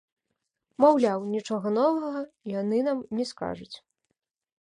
Маўляў, нічога новага яны нам не скажуць.